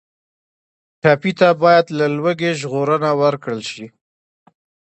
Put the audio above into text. ټپي ته باید له لوږې ژغورنه ورکړل شي.